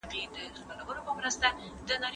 هغه په کمپيوټر کي ګرافيک جوړوي.